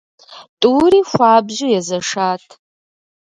ТӀури хуабжьу езэшат.